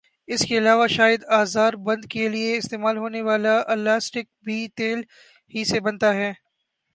اس کے علاوہ شاید آزار بند کیلئے استعمال ہونے والا الاسٹک بھی تیل ہی سے بنتا ھے